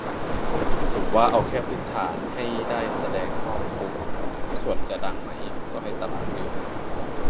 ผมว่าเอาแค่พื้นฐาน ให้ได้แสดงนอกคุก ส่วนจะดังไหมก็ให้ตลาดเลือก